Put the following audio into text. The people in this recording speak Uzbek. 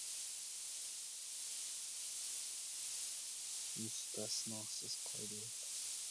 • Mustasnosiz qoida yo‘q.